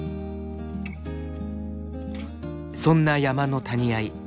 そんな山の谷あい。